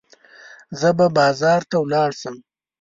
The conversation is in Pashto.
زه به بازار ته ولاړه شم.